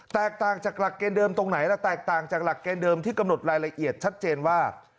แตกต่างจากหลักเกณฑ์เดิมตรงไหนและแตกต่างจากหลักเกณฑ์เดิมที่กำหนดรายละเอียดชัดเจนว่า